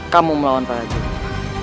kamu melawan prajurit